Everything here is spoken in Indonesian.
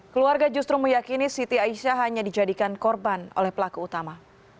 keluarga justru meyakini siti aisyah hanya dijadikan korban oleh pelaku utama